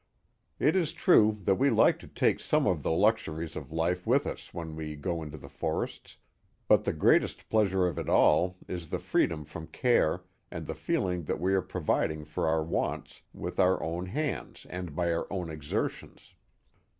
It is true that we like to take some of the luxuries of life with us when we go into the forests, but the greatest pleasure of it all is the freedom from care and the feeling that we are providing for our wants with our own hands and by our own exertions.